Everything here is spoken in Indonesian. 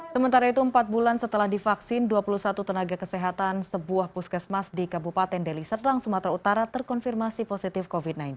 sementara itu empat bulan setelah divaksin dua puluh satu tenaga kesehatan sebuah puskesmas di kabupaten deli serdang sumatera utara terkonfirmasi positif covid sembilan belas